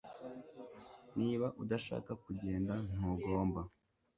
Niba udashaka kugenda ntugomba